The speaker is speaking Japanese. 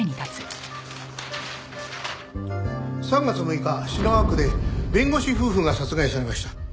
３月６日品川区で弁護士夫婦が殺害されました。